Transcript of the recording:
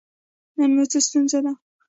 نن مو څه ستونزه ده؟